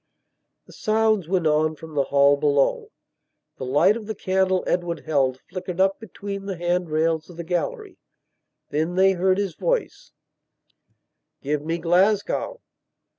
The sounds went on from the hall below; the light of the candle Edward held flickered up between the hand rails of the gallery. Then they heard his voice: "Give me Glasgow...